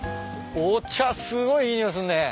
お茶すごいいい匂いすんね。